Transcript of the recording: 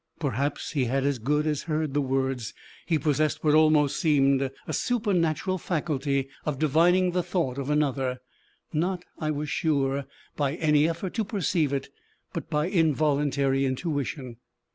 Perhaps he had as good as heard the words; he possessed what almost seemed a supernatural faculty of divining the thought of another not, I was sure, by any effort to perceive it, but by involuntary intuition.